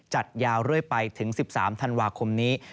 จัดยาวเรื่อยไปถึง๑๓ธันวาคมนี้